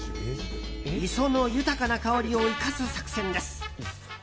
磯の豊かな香りを生かす作戦です。